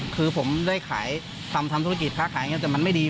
คือผมได้ขายทำทำธุรกิจค้าขายอย่างนี้แต่มันไม่ดี